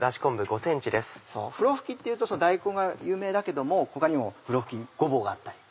ふろふきっていうと大根が有名だけども他にもふろふきごぼうがあったり。